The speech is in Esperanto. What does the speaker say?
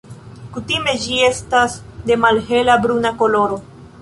Kutime ĝi estas de malhela bruna koloro.